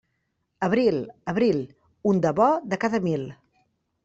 Abril, abril, un de bo de cada mil.